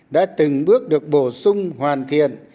đã từng bước được bổ sung hoàn thiện